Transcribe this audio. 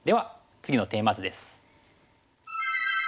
次のテーマ図です。